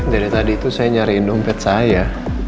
dari tadi itu saya nyariin dompet saya